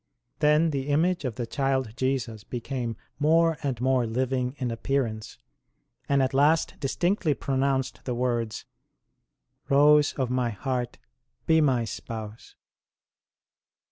Then the image of the Child Jesus became more and more living in appearance, and at last distinctly pronounced the words :" Rose of My heart, be My Spouse."